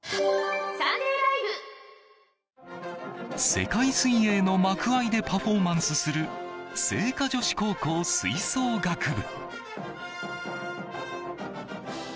世界水泳の幕間でパフォーマンスする精華女子高校吹奏楽部。